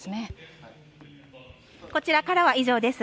こちらからは以上です。